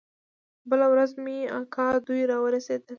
بله ورځ مې اکا دوى راورسېدل.